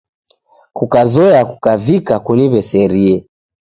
Kukazoya kukavika kuniw'eserie.